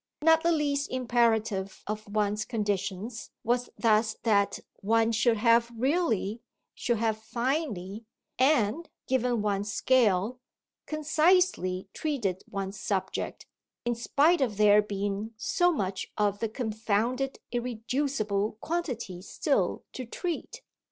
Not the least imperative of one's conditions was thus that one should have really, should have finely and (given one's scale) concisely treated one's subject, in spite of there being so much of the confounded irreducible quantity still to treat.